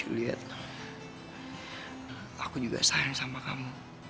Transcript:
lihat aku juga sayang sama kamu